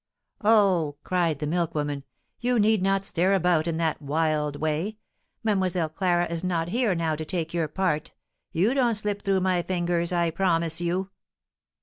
"Oh," cried the milk woman, "you need not stare about in that wild way. Mlle. Clara is not here now to take your part. You don't slip through my fingers, I promise you!"